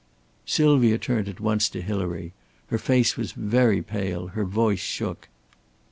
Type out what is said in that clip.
Sylvia turned at once to Hilary; her face was very pale, her voice shook.